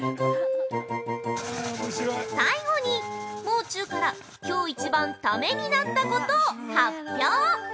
◆最後にもう中からきょう一番タメになったことを発表。